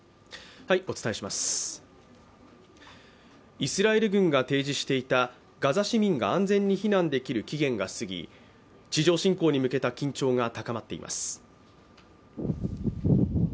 イスラエル軍が提示していたガザ市民が安全に避難できる期限が過ぎ地上侵攻に向けた緊張が高まっています。